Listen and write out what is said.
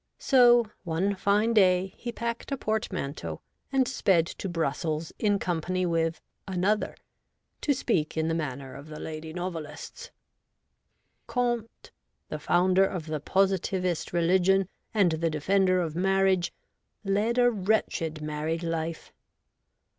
So, one fine day, he packed a portmanteau and sped to Brussels in company with ' another,' to speak in the manner of the lady novelists. Comte, the founder of the Positivist religion, and the defender of marriage, led a wretched married life.